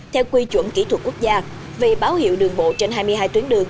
theo quy chuẩn kỹ thuật quốc gia vì báo hiệu đường bộ trên hai mươi hai tuyến đường